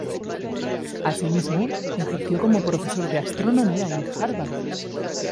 Así mismo, ejerció como profesor de astronomía en Harvard.